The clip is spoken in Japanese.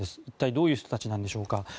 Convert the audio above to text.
一体、どういう人たちなんでしょうか。